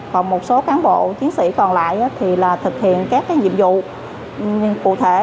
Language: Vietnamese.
còn một số cán bộ chiến sĩ còn lại thì là thực hiện các nhiệm vụ cụ thể